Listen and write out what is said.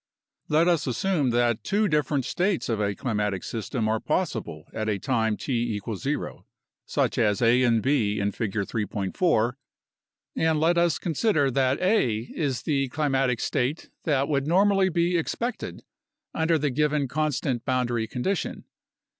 Let us assume that two different states of a climatic system are possible at a time f=0, such as A and B in Figure 3.4, and let us con sider that A is the climatic state that would normally be "expected" under the given constant boundary condition.